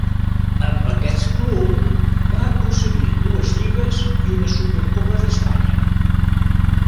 Amb aquest club va aconseguir dues lligues i una Supercopa d'Espanya.